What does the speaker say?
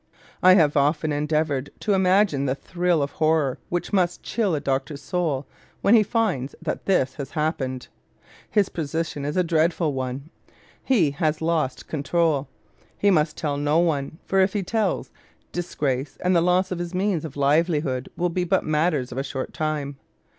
I have often endeavored to imagine the thrill of horror which must chill a doctor's soul when he finds that this has happened. His position is a dreadful one. He has lost control. He must tell no one, for if he tells, disgrace and the loss of his means of livelihood will be but matters of a short time.